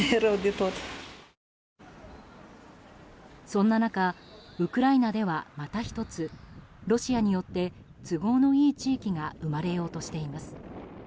そんな中、ウクライナではまた一つロシアによって都合のいい地域が生まれようとしています。